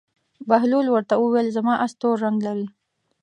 بهلول ورته وویل: زما اس تور رنګ لري.